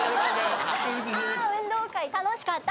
あ運動会楽しかった！